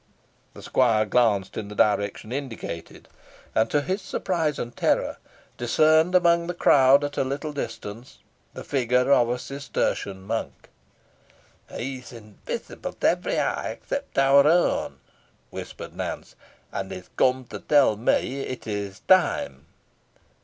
The squire glanced in the direction indicated, and to his surprise and terror, distinguished, among the crowd at a little distance, the figure of a Cistertian monk. "He is invisible to every eye except our own," whispered Nance, "and is come to tell me it is time."